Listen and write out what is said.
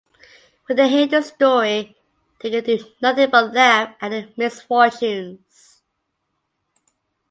When they hear the story, they can do nothing but laugh at their misfortunes.